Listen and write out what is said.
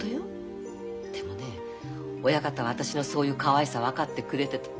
でもね親方は私のそういうかわいさ分かってくれてた。